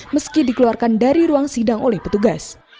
meski dikeluarkan dari ruang sidang oleh petugas